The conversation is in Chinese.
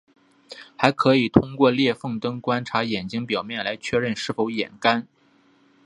还可以通过裂缝灯观察眼睛表面来确认是否眼干。